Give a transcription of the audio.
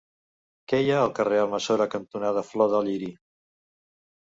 Què hi ha al carrer Almassora cantonada Flor de Lliri?